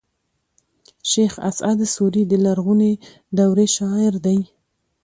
شېخ اسعد سوري د لرغوني دورې شاعر دﺉ.